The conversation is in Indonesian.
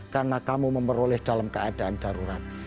karena kamu memeroleh dalam keadaan darurat